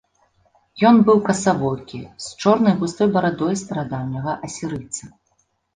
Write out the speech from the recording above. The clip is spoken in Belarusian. Ён быў касавокі, з чорнай густой барадой старадаўняга асірыйца.